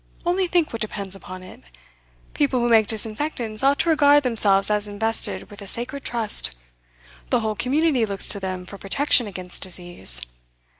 Only think what depends upon it! People who make disinfectants ought to regard themselves as invested with a sacred trust. The whole community looks to them for protection against disease.